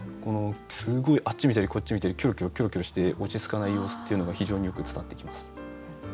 すごいあっち見たりこっち見たりキョロキョロキョロキョロして落ち着かない様子っていうのが非常によく伝わってきます。